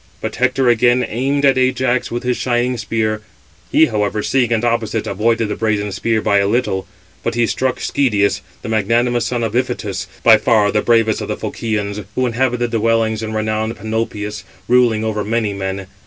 But Hector again aimed at Ajax with his shining spear; he, however, seeing it opposite, avoided the brazen spear by a little; but he struck Schedius, the magnanimous son of Iphitus, by far the bravest of the Phoceans, who inhabited dwellings in renowned Panopëus, ruling over many men.